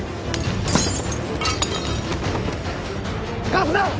・ガスだ！